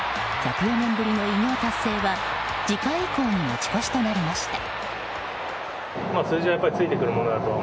１０４年ぶりの偉業達成は次回以降に持ち越しとなりました。